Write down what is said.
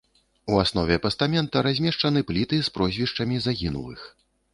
У аснове пастамента размешчаны пліты з прозвішчамі загінулых.